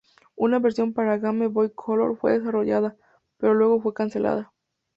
Una versión para Game Boy Color fue desarrollada, pero luego fue cancelada.